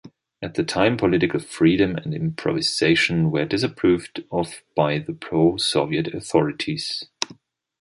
At the time, political freedom and improvisation were disapproved of by the pro-Soviet authorities.